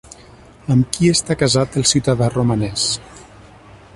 Amb qui està casat el ciutadà romanès?